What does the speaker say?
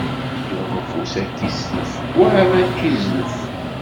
Yiwen ufus ad k-islef, wayeḍ ad k-izlef!